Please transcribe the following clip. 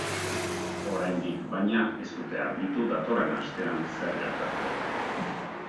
Oraindik, baina, ez dute argitu datorren astean zer gertatuko den.